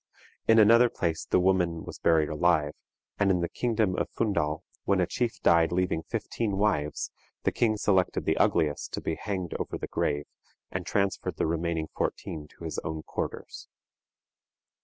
In another place the woman was buried alive; and in the kingdom of Fundal, when a chief died leaving fifteen wives, the king selected the ugliest to be hanged over the grave, and transferred the remaining fourteen to his own quarters.